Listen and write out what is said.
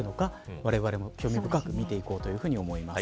われわれも興味深く見ていこうと思います。